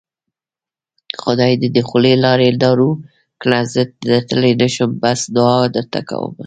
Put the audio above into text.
خدای دې د خولې لاړې دارو کړه زه درتلی نشم بس دوعا درته کوومه